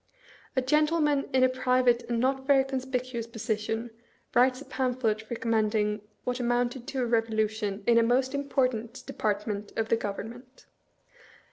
A gen tleman in a private and not very conspicuous position writes a pamphlet recommending what amounted to a revolution in a most important department of the Government.